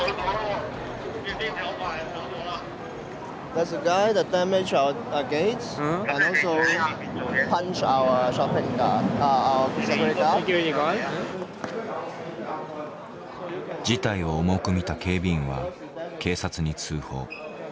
事態を重く見た警備員は警察に通報。